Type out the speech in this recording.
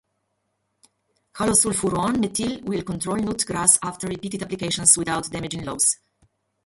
Halosulfuron-methyl will control nut grass after repeated applications without damaging lawns.